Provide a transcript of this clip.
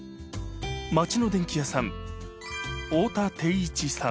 町の電器屋さん太田貞一さん